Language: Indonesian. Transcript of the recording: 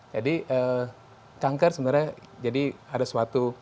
jadi kanker sebenarnya jadi ada suatu